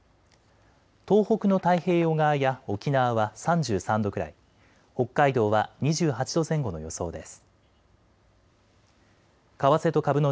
東北の太平洋側や沖縄は３３度くらい、北海道は２８度前後の予想です。